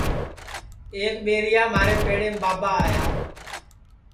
ایک ٻیریا مھارے پیڑیم بابا آیا